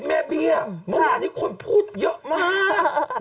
แม่เบี้ยเมื่อวานนี้คนพูดเยอะมาก